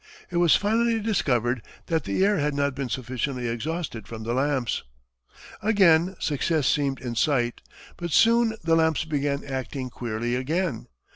It was finally discovered that the air had not been sufficiently exhausted from the lamps. Again success seemed in sight, but soon the lamps began acting queerly again.